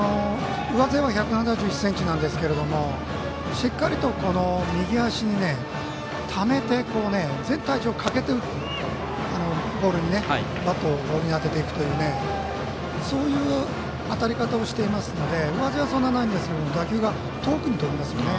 上背は１７１ｃｍなんですけどしっかりと右足に全体重をかけてバットに当てていくという当たり方をしていますので上背はそんなにないですけど打球が遠くに飛びますね。